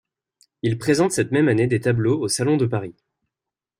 Il présente cette même année des tableaux au Salon de Paris.